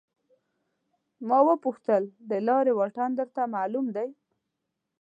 ما وپوښتل د لارې واټن درته معلوم دی.